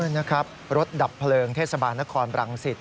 นะครับรถดับเพลิงเทศบาลนครบรังสิต